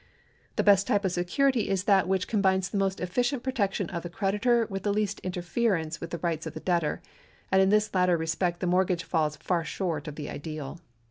The best type of security is that which com bines the most efficient protection of the creditor with the least interference with the rights of the debtor, and in this latter respect the mortgage falls far short of the ideal.